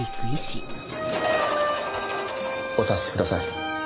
お察しください。